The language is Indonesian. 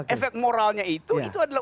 efek moralnya itu adalah